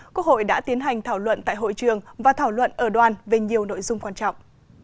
quốc hội đã tiến hành thảo luận tại hội trường và thảo luận ở đoàn về nhiều nội dung quan trọng